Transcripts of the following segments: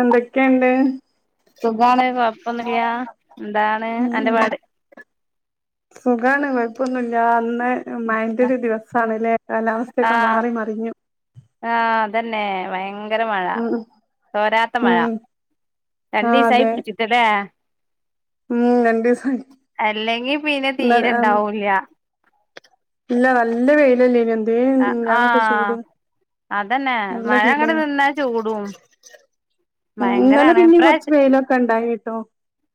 എന്തൊക്കെണ്ട് സുഖാണ് കൊഴപ്പൊന്നുല്ല എന്താണ് ഉം അന്റെപാട്. ഖാണ് കൊഴപ്പൊന്നുല്ല ൻ ന്ന് മഴന്റെ ഒരു ദിവസാണ് ല്ലേ കാലാവസ്ഥയൊക്കെ മാറി മറിഞ്ഞു. അതെന്നെ ഭയ ങ്കര മഴ ഉം തോരാത്ത മഴ ഉം ആ രണ്ടീസായി അതെ പിടിച്ചിട്ട് ല്ലെ. ഉം രണ്ടിസായി. അല്ലെങ്കിൽ പിന്നെ തീരെണ്ടാവുല്ല. ഇല്ല നല്ല വെയിലല്ലേയ്നോ എന്തെന്നു ആഹ് മിഞാന്നോക്കെ ആഹ് ചൂട്. അതന്നെ നല്ല മഴ അങ്ങട് ചൂടേയ് നിന്നാ ചൂടും ഉം ഇന്നലെ ഭയങ്കരാണ് പിന്നീംകൊറച്ച് വെയ്ലൊക്കെ ണ്ടായിൻട്ടോ.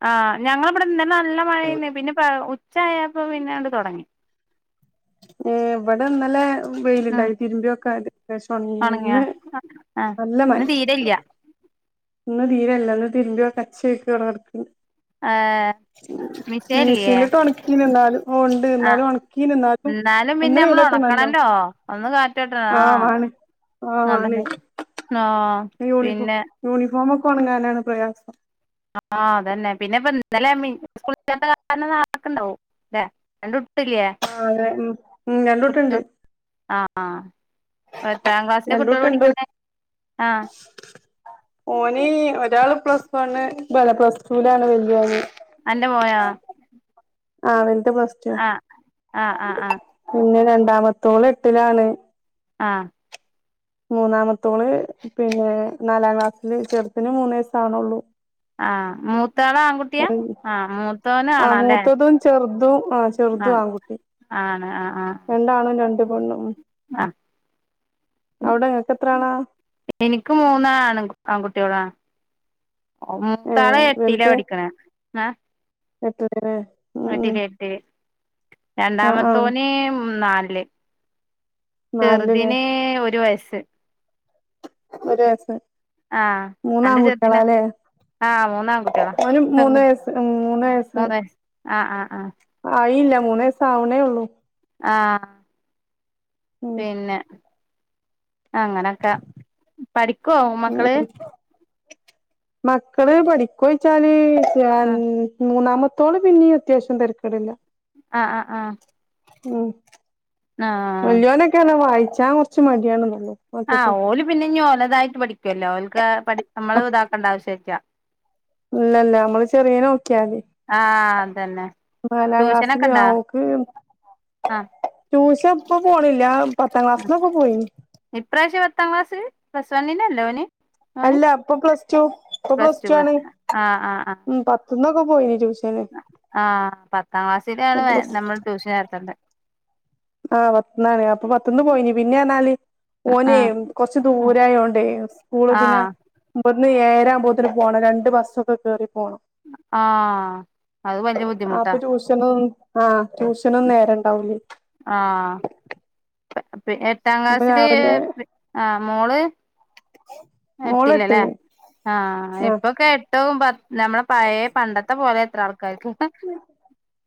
ആ് ഞങ്ങളെവിടെ ഇന്നലെ നല്ല മഴേന്ന് പിന്നെ പ ഉച്ച ച്ചായപ്പ പിന്നണ്ട് തൊടങ്ങി. ഏ ഇവിടെ ന്നലെ ഉം വെയിലുണ്ടായി തിരുമ്പിയൊക്കെ അത് അത്യാശം ഒണങ്ങിങ്ക്ണ് ഒണങ്ങിയോ ഇന്ന് ആഹ് നല്ല മഴ. ഇന്ന് തീരെല്ല ന്ന് തീരെല്ല ന്ന് തിരുമ്മ്മ്പിയതൊക്കെ അച്ചേല്ക്ക് അവടെ കെടക്ക്ണ്ട്. ഏഹ് മിഷീനില്ലേ മിഷേൻലിട്ട് ഒണക്കീന്ന് ന്നാലുംഉണ്ട് ഇന്നാലും ഉണക്കീൻ ന്നാലും. ന്നാലും പിന്നെ നമ്മള് ഒണക്കണല്ലോ ഒന്ന് കാറ്റോട്ടണ ആ. ആ ആണ്. യൂണിഫോ പിന്നെ യൂണിഫോമൊക്കെ ഒണങ്ങാനാണ് പ്രയാസം. ആ അതെന്നെ പിന്നെ പ്പൊ ഇന്നലെ [inaudible] ട്ട് ഇല്ലേ ആഹ് അതെ ഉം ഉം രണ്ടൂട്ടണ്ട് കുട്ട്യോൾക് ആ ആ എത്രാം ക്ലാസ്സില കുട്ട്യാള് രണ്ടൂട്ടണ്ട് പഠിക്കണേ ആ ഓൻ ഒരാള് പ്ലസ് വണ്ണ് അല്ല പ്ലസ്ടൂലാണ് വല്യോന് അന്റെ മോനോ ആ വൽത് പ്ലസ് ടൂ ആ ആ ആ ആ പിന്നെ രണ്ട്. രാണ്ടമത്തോള് എട്ടിലാണ്. ആ മൂന്നാമത്തോള് പിന്നെ നാലാം ക്ലാസ്സില് ചെറുതിന് മൂന്നേസാവ്ണേള്ളൂ. ആ മൂ മൂത്താള് ആൺകുട്ടിയ ആ ആഹ് മൂത്തോനാണാല്ലേ മൂത്തതും ചെറുതും ആഹ് ആ. ചെറുതും ആൺകുട്ടി ആണ് ആ ആഹ രണ്ടാണും രണ്ട് പെണ്ണും അവിടെ ഇങ്ങക്ക് എത്രാളാ. എനിക്ക് മൂന്ന് ആണ് ആങ്കുട്ട്യോളാ. ഓ ഏ മൂത്താള് എട്ടില വലുത് പടിക്ക്ണേ [unintelligible] ഉം ഉം രണ്ടാമത്തോന് നാലില് നാലിലല്ലേ ചെറുതിന് ഒരു വയസ് ഒരു വയസ് ആഹ് അന്റെ ചെറുതിന് മൂന്നാംകുട്ട്യളാലെ ആഹ് മൂന്നാൺകുട്ടികളാ ഓന് മൂന്ന് വയസ്സ് ഉം മൂന്ന് വയസ്സ് ആ ആ ആ കയില്ല മൂന്നേസാവണേള്ളൂ ആ ഉം പിന്നെ അങ്ങനൊക്കെ പഠിക്കുവോ ഉം മക്കള് മക്കള് പഠിക്കോയ്ച്ചാല് രണ് ആഹ് മൂന്നാമ ത്തോള് പിന്നെം അത്യാവശ്യം തരക്കേടില്ല ആ ആ ആ ഉം വല്യോനൊക്കേണ് വായിച്ചാൻ കൊർച്ച് മടിയാണെന്നുള്ളൂ ആ ഓല് പിന്നെനി ഓലതായിട്ട് പഠിക്കുവല്ലോ ഓല്ക്ക് പഠി നമ്മള് ഇതാക്കേണ്ട ആവശ്യല്ല്യ ഇല്ലല്ല അമ്മള് ചെറിയെനെ ഓക്കിയാതി ആഹ് അതന്നെ നാലാം ട്യൂഷനൊക്കെ ക്ലാസില് ആ ഇണ്ടാ ഓക്ക് ആഹ് ട്യൂഷൻ പ്പ പോണില്ല പത്താം ക്ലാസ്സിന്നൊക്കെ പോയിനി ഇപ്രാവശ്യ പത്താം ക്ലാസ്സ് പ്ലസ് വണ്ണിലല്ലേ ഓന് മോന് അല്ല പ്പൊ പ്ലസ് ടു ഇപ്പൊ പ്ലസ് ടു ആണ് ഉം പത്തന്നൊക്കെ പോയി ട്യൂഷന് ആ പത്താം ക്ലാസ്സിലാണ് നമ്മൾ ട്യൂഷൻ ഏർത്തേണ്ടെ ആ പത്തന്നാണ് അപ്പൊ പത്ത്ന്ന് പോയിനി പിന്നെന്നാല് ഓനെ ആഹ് കൊറച്ച് ദൂരായോണ്ടേ സ്കൂള് പിന്നെ ആഹ് [unintelligible] ഇന്ന് ഏയരാമ്പോത്തിന് പോണം രണ്ട് ബസ്സൊക്കെ കേറിട്ട് പോണം ആഹ് അത് വല്യ ബുദ്ധിമുട്ടാ അപ്പൊ ട്യൂഷനൊ ആ ട്യൂഷനൊന്നും നേരണ്ടാവൂല്ലേ ആ എട്ടാം അപ്പൊ ക്ലാസ്സില് രാവിലെ ആ മോള് മോള് എട്ടിലല്ലെ എട്ടില് ആ ആ എപ്പൊക്കെ എ ട്ടുവും പ ഞമ്മളെ പയേ പണ്ടത്തെ പോലെ എത്രാൾക്കാര്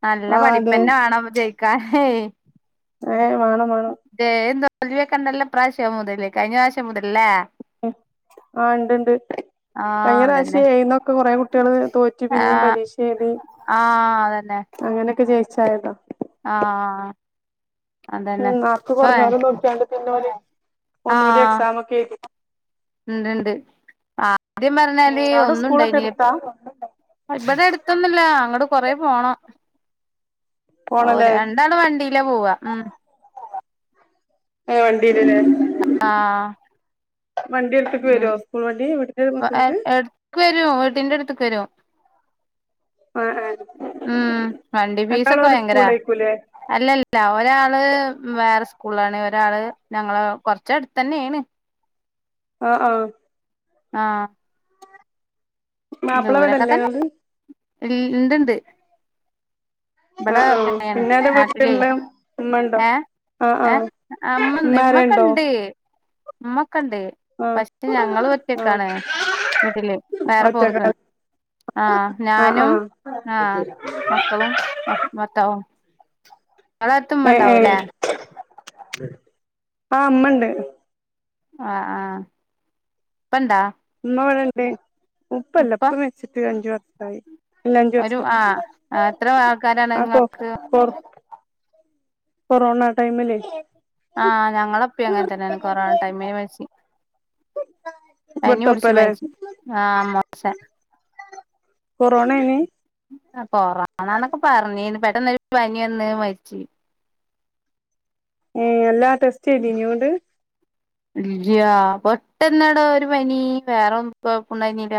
നല്ല ആ അതെ പഠിപ്പന്നെ വേണം ജയിക്കാനെ ഏ വേണം വേണം ലീവൊക്കണ്ടല്ലൊ ഇപ്രാവശ്യം മുതലേ കഴിഞ്ഞ പ്രാവശ്യം മുതല്ലേ ആ ഉണ്ട്ണ്ട് ആഹ് കഴിഞ്ഞ റാശ്യം അതന്നെ ഈഏയീന്നൊക്കെ കൊറെ കുട്ട്യേള് തോറ്റ് പിന്നെം ആഹ് പരീക്ഷെഴുതി ആഹ് അങ്ങനെയൊക്കെ ജയിച്ചായതാ ആ ഉം മാക്ക് കൊറഞ്ഞോലം നോക്കിയാണ്ട് പിന്നൊല് ആ ഇണ്ട്ണ്ട് ആദ്യം ഉം പറഞ്ഞാല് അവിടെ സ്കൂളൊക്കെ ഒന്നുംണ്ടേനില്ല എടുത്താ പ്പ ഇവിടെ അടുത്തൊന്നുല്ല അങ്ങടെ കൊറേ പോണം ഓര് പോണല്ലേ രണ്ടാള് വണ്ടിയിലാ പോവാ ഉം ഏ വണ്ടിലേ ആ വണ്ടി എടുത്തിട്ട് വരോ സ്കൂൾ വണ്ടി വീടിന്റെ എ മുറ്റത്ത്ക്ക് എട്ക്ക് വെരും വീടിൻ്റെടുത്ത്ക്ക് വെരും ആഹ് ആഹ് ഉം വണ്ടി രണ്ടാളും പീസൊക്കെ ഒരു വയങ്കര സ്കൂളിലേക്കൂല്ലേ അല്ലല്ല ഒരാള് വേറെ സ് ക്കൂളാണ് ഒരാള് ഞങ്ങളെ കൊറച്ചടുതന്നെയാണ് ആഹ ആഹ ആഹ മാപ്പിള എവിടല്ലേള്ളത് ഇ ഇണ്ട്ണ്ട് ഇവിടെ ആഹ് ആഹ് പിന്നെ അന്റെ നാട്ടിലേ വീട്ടിലുള്ള ഉമ്മ ഉണ്ടോ ഏ ആഹ് ഏ ആഹ് അമ്മ ഉമ്മാരുണ്ടോ ഇമ്മക്കെണ്ട് ഉണ്ട് ആഹ് പക്ഷെ ഞങ്ങൾ ആഹ് ഒറ്റക്കാണ് വീട്ടില് വേറെ ഒറ്റക്കാ പോന്നിരിക്കുന്നു ആ ആഹ് ഞാനും, ആഹ് ആ മക്കളും അതാ അവരെടുത്തു ഉമ്മ ഏ ഏ ഉണ്ടാവുമല്ലേ? ആ ഉമ്മയുണ്ട് ആ ആ ഇപ്പോഴുണ്ടോ? ഉമ്മ ഇവിടെയുണ്ട്. ഉപ്പയില്ല ഉപ്പ മരിച്ചിട്ട് അഞ്ചു വർഷമാ. യി ഇല്ല അഞ്ചു ഒരു ആഹ് വർഷമായി ആഹ് എത്ര ആൾക്കാരാണ് ആ നിങ്ങ പോ പോവ് കൊറോണ ടൈമിൽ ആ ഞങ്ങളുടെ ഉപ്പയും അങ്ങനെ തന്നെ ആണ് കൊറോണ ടൈമിൽ ആണ് മരിച്ചത്. പണി പിടിച്ചു ഇവിടുത്തപ്പല്ലേ മരിച്ചു ആ മോശ കൊറോണ ആയിരുന്നോ? കോറോണയെന്നൊക്കെ പറഞ്ഞിരുന്നു പെട്ടെന്നൊരു പനി വന്ന് മരിച്ചു. ഏ എല്ലാ ടെസ്റ്റ് ചെയ്തിരുന്നോ എന്നിട്ട്? ഇല്ലയാ പെട്ടെന്നടാ ഒരു പനി വേറെ ഒന്നും കൊഴപ്പണ്ടായിുന്നില്ല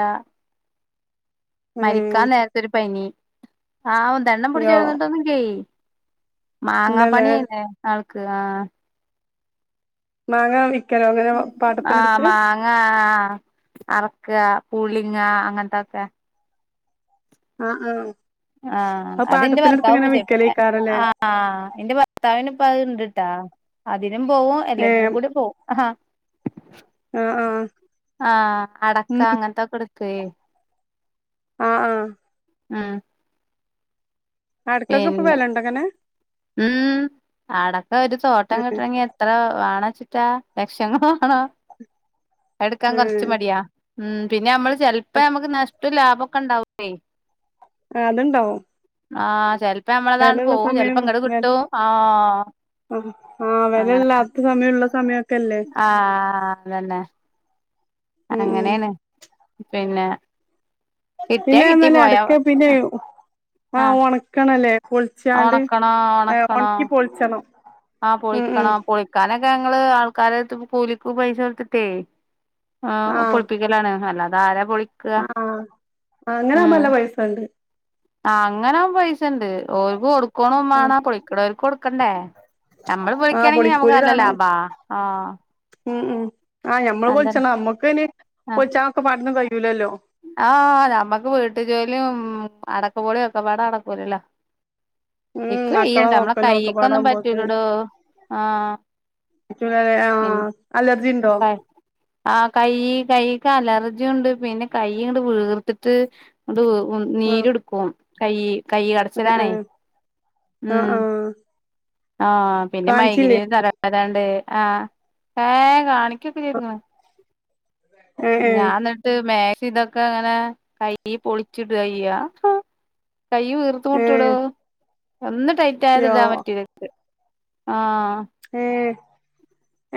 ഏഹ് മരിക്കാൻ നേരത്തൊരു പനി ആവു ദേണ്ണം പിടിച്ചു യോ കിടന്നിട്ടൊന്നുമില്ലെ ഏയ് മാങ്ങാ ഇല്ലല്ലേ പണിയായിരുന്നു ആൾക്ക് ആ മാങ്ങാ വിക്ക് ആ മാങ്ങ പറിക്കുക, പൊളിക്കുക അങ്ങനത്തെയൊക്കെ ആ ആ ആ അത് എന്റെ ഭർത്താവ് ഇപ്പോൾ ചെയ്യുന്നുണ്ട്. വിക്കലേക്കാരല്ലേ എന്റെ ഭർത്താവിന് ഇപ്പോൾ അത് ട്ടാ അതിനും പോവും എല്ലാത്തിനും ഏഹ് കൂടി പോവും ആ ആഹ് ആഹ് ആ അടക്ക ഉം അങ്ങനത്തയൊക്കെ എടുക്കുമെ ആ ആ ആ അടക്കയക്ക് ഇപ്പോൾ വിലയുണ്ടോ അങ്ങനെ? ഉം അടക്ക് ഒരു തോട്ടം ഏഹ് കിട്ടണമെങ്കിൽ എത്ര വേണമെന്നുവെച്ചിട്ടാ? ലക്ഷങ്ങല് വേണം ആണോ എടുക്കാൻ കുറച്ച് ഏഹ് മടിയാ ഉം പിന്നെ നമ്മൾ ചിലപ്പോൾ നമ്മുക്ക് നഷ്ടം എന്നിട്ടും ലാഭമൊക്കെ ഉണ്ടാകുമേ. ആ അതുണ്ടാവും. ആ ചിലപ്പോൾ നമ്മളുടേത് അങ്ങോട്ട് വെലള്ള പോകും. ചേല് സമയം വെ കിട്ടും ആ അങ്ങനെ ഉള്ള സമയമൊക്കെ ആ അതന്നെ ഉം ഉം അങ്ങനെതന്നെ പിന്നെ കിട്ടിയാ കിട്ടി പിന്നെയില്ലെ പോയാ അടക്ക പിന്നെ ആ ആഹ് ഉണക്കണമല്ലേ പൊളിച്ചുക്കൊണ്ട് ഒണക്കണോ ഉണക്കി പൊളിച്ചണം ആ ഉം ഉം പൊളിക്കണം പൊളിക്കുവാനൊക്കെ ഞങ്ങൾ ആൾക്കാരെ കൂലിക്ക് പൈസ കൊടുത്തിട്ടേ ് പൊളിപ്പിക്കലാണ് അല്ലാതെ ആരാ പൊളി ആ അങ്ങനെയാവുമ്പോൾ നല്ല പൈസയുണ്ട്. ആ അങ്ങനെ പൈസ ഉണ്ട് അവർക്ക് കൊടുക്കുകയും ആഹ് വേണം പൊളിക്കുന്നവർക്ക് കൊടുക്കെണ്ടേ? നമ്മൾ ആഹ് പൊളിക്കുകയാനെങ്കിൽ നമുക്ക് പൊളിക്കൂലി നല്ല വേണം ലാഭമാണ്. ആ ഉം ഉം ആ ഞമ്മൾ പൊളിക്കണം നമ്മുക്ക് അതിന് പൊളിക്കാനൊക്ക കൂടെ ഒന്നും കഴിയില്ലല്ലോ? ആ നമ്മക്ക് വീട്ടു ജോലിയും മ് അടക്ക പൊളിയും ഒക്കെപ്പാടെ നടക്കൂലല്ലോ ഉം ഇക്ക് മക്കളെ വയ്യട്ടോ നമ്മടെ നോക്കലും കൈയ്യിക്ക് ഒന്നും ഒക്കെപാടാവുമ്പോത്തിന് പറ്റില്ലടോ ആ പറ്റൂലല്ലേ എൻ ആഹ് [unintelligible] അലർജിണ്ടോ പ [unintelligible] ആ കയ്യ് കയ്യ് ഇൻക്ക് അലർജുണ്ട് പിന്നെ കൈയിങ്ങട്ട് വീർത്ത്ട്ട് ഇങ്ങട് ആഹ് നീര്ടുക്കും. കൈ കൈ കടച്ചിൽ ഏഹ് ആണേ ഏഹ് മ് ആഹ് ആഹ് ആ പിന്നെ കാണിച്ചില്ലേ മൈഗ്രീൻ തലവേ [unintelligible] നണ്ട് ആഹ് ആ കാണിക്കൊക്കെ ചെയ്തനു. ഏ ഏ ഞാന്നിട്ട് മേ ഇതൊക്കെ അങ്ങനെ കൈ പൊളിച്ചിടയൈയ്യ കൈ ഏ ഉയർത്തുമുട്ടെടോ ഒന്ന് ടൈറ്റ് ആയത് യോ ഇടാൻ പറ്റൂല്ലെനക്ക് ആഹ് ഏ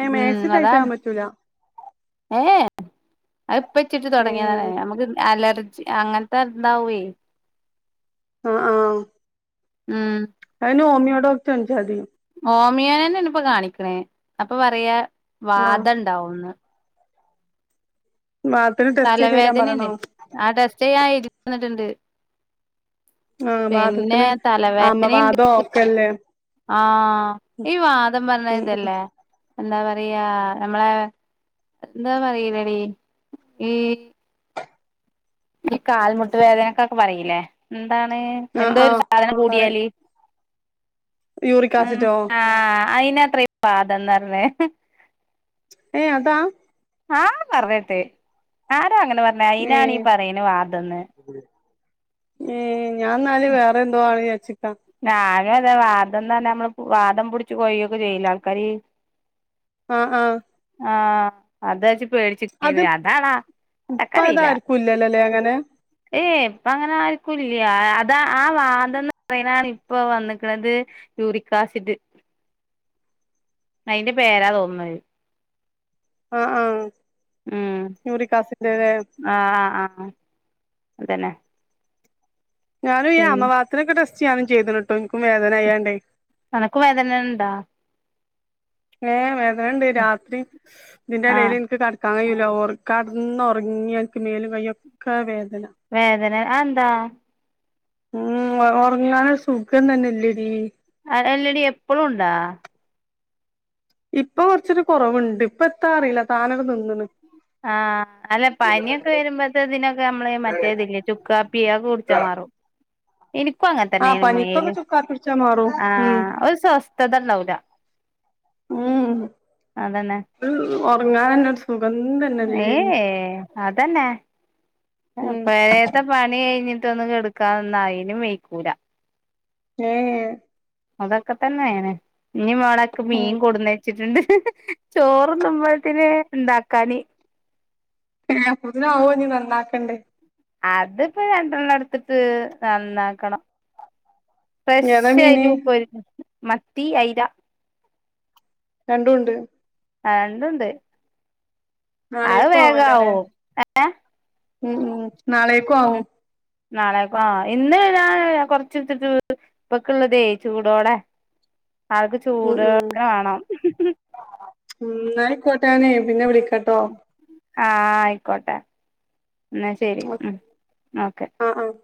ഏ ഉം മാക്സി അതാണ് ടൈറ്റാവമ്പറ്റൂല ഏഹ് അതിപ്പ ചിട്ട് ഏ തൊടങ്ങീതാണ് നമുക്ക് അലർ- അങ്ങനത്തെ എന്താവുവെ ആഹ് ആഹ് ഉം ഓമിയൊഡോക്ഡറെന്ച്ചാതി ഹോമിയോനെ തന്നാണിപ്പോ കാണിക്കണേ അപ്പൊ പറയാ ആ വാദം ഇണ്ടാവുന്ന്. വാതത്തിന് ടെസ്റ്റ് ചെയ്ത് തരാൻ തലവേദനിണ്ടെ പറയണോ ആഹ് ടെസ്റ്റെയ്യാൻ എഴുതി തന്നിട്ടുണ്ട് ആഹ് പിന്നെ വാതത്തിന് തലവേദനയുണ്ട് ആമവാതോ ഒക്കല്ലേ ആഹ് ഇവാതം പറഞ്ഞ ഉം ഇതല്ലേ എന്താ പറയാ ഞമ്മളെ എന്താ പറയിലടി ഈ ഈ കാൽമുട്ട് വേദനക്കൊക്കെ പറയില്ലേ ഉം താണ് ആ എന്തോ ആ ഒരു സാധനം പറയും കൂടിയാല്? യൂറിക് അം ആസിഡോ ആഹ് അയിനാത്രെ ഈവാതംന്ന് പറഞ്ഞെ ഏഹ് അതാ ആഹ് പറയട്ടെ ആരാങ്ങനെ പറഞ്ഞെ ഏ അയിനാണീ പറയന വാദന്ന്. ഞാന്നാല് വേറെ എന്തോ ആണ് വിചാച്ച് ഞാനുവതെ വാദന്നെമ്മള് വാദം പുടിച്ച് കൊയൊക്കെ ചെയ്യില്ലാൾക്കാര് ആഹ് ആഹ് ആഹ് അതാ [unintelligible] അതാണ ഇപ്പ നക്കറിയില്ല അതാർക്കും ഇല്ലല്ലോല്ലേ അങ്ങനെ ഏയ് ഇപ്പ അങ്ങനെ ആയിരിക്കുല്ല അതാ ആ വാതന്ന് അയിനാണിപ്പൊ വന്നക്കണത് യൂറിക്കാസിഡ് അയിന്റെ പേരാ തോന്നന്നത്. ആഹ് ആഹ് ഉം ആഹ് ആഹ് ആഹ് അതന്നെ ഞാനും ഈ അമവാത്തിനൊക്കെ ടെസ്റ്റ് ചെയ്യാനും ചെയ്തനിട്ടോ നിനക്ക് വേദനയുണ്ടാ? ഏഹ് വേതന്ണ്ട് രാത്രി ഇതിന്റെ ആഹ് ഇടേലെനിക്ക് കട കയ്യൂര്‍ ഒറ കടന്ന ഒറങ്ങി എനിക്ക് മേലും കയ്യൊക്കെ വേദ- വേദന അതെന്താ? ഉം ഒ ഒറങ്ങാനൊരു സുഖം തന്നില്ലെടീ അല്ലടി എപ്പഴുണ്ടാ? ഇപ്പൊ കുറച്ചൊരു കൊറവുണ്ട് ഇപ്പ എത്താ അറിയില്ല താനവി നിന്നണ്. ആഹ് അല്ല പനിയൊക്കെ വരുമ്പത്തെ ഇതിനൊക്കെ നമ്മള് മറ്റേ ഇതില്ലേ ചുക്കാപ്പി അക്കെ കുടിച്ചാമാറും [inaudible] ആഹ് പനിപ്പൊക്കെ ചുക്കാപികുടിച്ച മാറൂ ഉം ആഹ് ഒരു സ്വസ്ഥത ഉണ്ടാവൂല ഉം അതന്നെ ഒരു ഒറങ്ങാനന്നെ ഒരുസു ഏഹ് അതന്നെ ഉം പഴേത്തെ പണി കഴിഞ്ഞി- ടൊന്നും കെടുക്കാന്നായുലു മേക്കൂല ഹേ അതൊക്കെ തന്നെനയ്നെ ഇനി മേളക്ക് ഉം മീൻ കൂടുന്നെച്ചിട്ടുണ്ട് ചോറ്ന്നുമ്പോയത്തിന് ഇണ്ടാക്കാന് ഏ അപ്പോത്തിന് ആവോഞ്ഞ് നന്നാക്കണ്ടേ അത്പ്പൊ രണ്ടെണ്ണം എട്ത്ത്ട്ട് നന്നാക്കണം ഏതാ ഫ്രഷായിട്ട് മീന് ഇ [unintelligible] പൊരി [unintelligible] മത്തി അയിലാ രണ്ടുണ്ട് ആ രണ്ടുണ്ട് അത് നാളേക്കും ആവല്ലോല്ലേ വേഗാവും ഉം ഉം നാളേക്കും ആവും നാളേക്കു ആ ഇന്ന് ഞാൻ കൊറച്ച് എടത്ത്ട്ട് ഇപ്പക്ക്ള്ളത് ചൂടോടെ ആൾക്ക് ഉം ഉം ചൂടോട്ക്കവാണം ഉം ന്നാ ആയിക്കോട്ടെ നാനെ പിന്നെ വിളിക്കട്ടോ ആ ആയിക്കോട്ടെ ഇന്നാ ശെരി ഓക്കെ ഉം ഓക്കെ ആഹ് ആഹ്